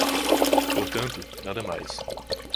Portanto, nada mais.